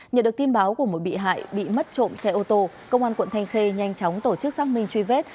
nhận được tin báo của một bị hại bị mất trộm xe ô tô công an quận thanh khê nhanh chóng tổ chức xác minh truy vết